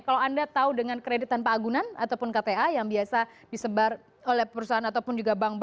kalau anda tahu dengan kredit tanpa agunan ataupun kta yang biasa disebar oleh perusahaan ataupun juga bank bank